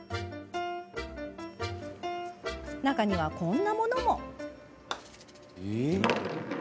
中には、こんなものも。